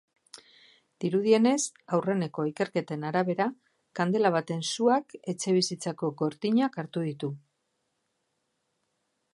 Dirudienez, aurreneko ikerketen arabera, kandela baten suak etxebizitzako gortinak hartu ditu.